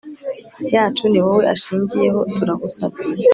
yacu ni wowe ashingiyeho turagusabye